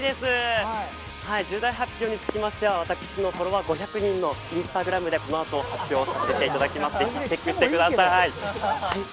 重大発表につきましては、私のフォロワー５００人のＩｎｓｔａｇｒａｍでこのあと発表させていただきますのでチェックしてください。